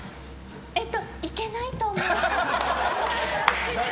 えっと、いけないと思う。